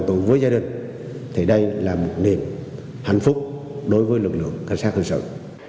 thì đây là một niềm hạnh phúc đối với lực lượng cảnh sát cảnh sát